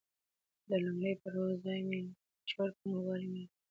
د لومړي پړاو ځای مینوفکچور پانګوالي ونیو